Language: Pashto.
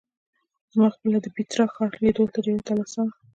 زما خپله د پېټرا ښار لیدلو ته ډېره تلوسه وه.